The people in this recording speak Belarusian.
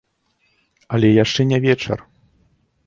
Але яшчэ не вечар!